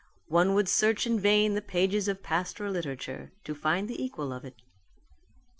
One would search in vain the pages of pastoral literature to find the equal of it.